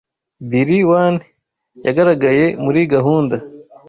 Bili One, yagaragaye muri gahunda